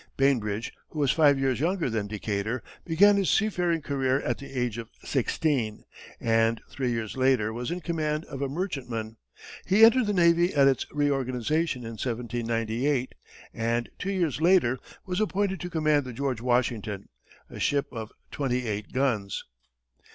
Bainbridge, who was five years younger than Decatur, began his seafaring career at the age of sixteen, and three years later was in command of a merchantman. He entered the navy at its reorganization in 1798, and two years later was appointed to command the George Washington, a ship of twenty eight guns.